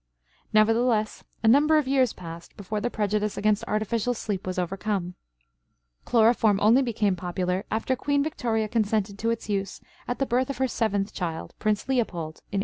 Nevertheless, a number of years passed before the prejudice against artificial sleep was overcome. Chloroform only became popular after Queen Victoria consented to its use at the birth of her seventh child, Prince Leopold, in 1853.